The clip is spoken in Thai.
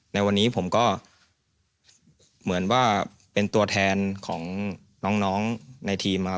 ในวันนี้ผมก็เหมือนว่าเป็นตัวแทนของน้องในทีมครับ